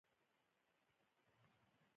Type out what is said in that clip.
هغه د نورو شیانو د جوړېدو یادونه هم کوي